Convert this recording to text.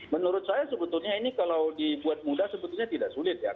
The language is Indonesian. menurut saya sebetulnya ini kalau dibuat mudah sebetulnya tidak sulit ya